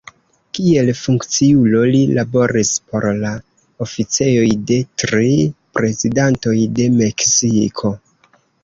Kiel funkciulo li laboris por la oficejoj de tri Prezidantoj de Meksiko.